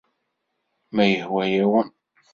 Ma yehwa-yawen...